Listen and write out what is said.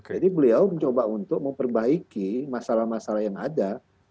jadi beliau mencoba untuk memperbaiki masalah masalah yang ada